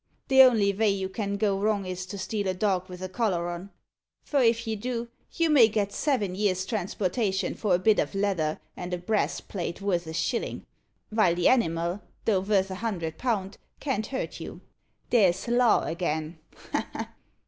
The only vay you can go wrong is to steal a dog wi' a collar on, for if you do, you may get seven years' transportation for a bit o' leather and a brass plate vorth a shillin', vile the animal, though vorth a hundred pound, can't hurt you. There's law again ha, ha!"